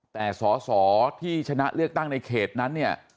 แต่สอสอที่ชนะเลือกตั้งในเขตนั้นเนี่ย